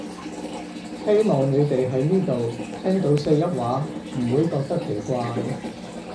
希望你哋喺呢度聽到四邑話唔會覺得奇怪